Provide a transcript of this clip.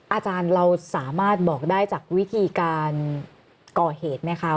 อาจารย์เราสามารถบอกได้จากวิธีการก่อเหตุไหมคะ